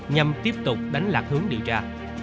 nhằm tiếp tục đánh lạc hướng điều tra